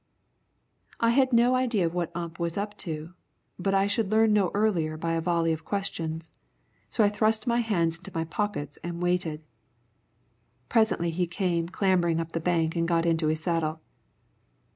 I had no idea of what Ump was up to, but I should learn no earlier by a volley of questions. So I thrust my hands into my pockets and waited. Presently he came clambering up the bank and got into his saddle.